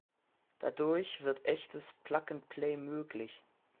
Dadurch wird echtes Plug and Play möglich.